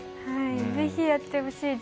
ぜひやってほしいです。